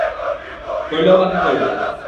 করলেও বা কী করব?